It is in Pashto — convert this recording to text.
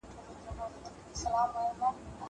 زه اوس د کتابتون پاکوالی کوم!